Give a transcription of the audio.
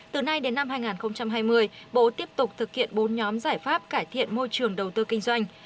từ nay đến năm hai nghìn hai mươi bộ tiếp tục thực hiện bốn nhóm giải pháp cải thiện môi trường đầu tư kinh doanh